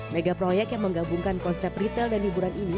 mega proyek yang menggabungkan konsep retail dan hiburan ini